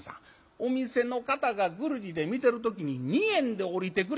お店の方がぐるりで見てる時に二円で下りてくれ。